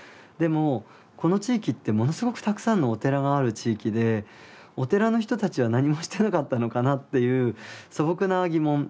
でもこの地域ってものすごくたくさんのお寺がある地域でお寺の人たちは何もしてなかったのかなっていう素朴な疑問。